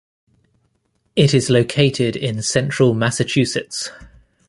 It is located in Central Massachusetts.